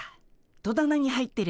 戸棚に入ってる。